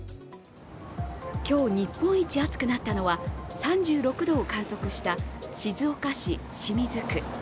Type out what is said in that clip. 今日、日本一暑くなったのは３６度を観測した静岡市清水区。